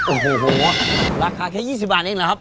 โอ้โหราคาแค่๒๐บาทเองเหรอครับ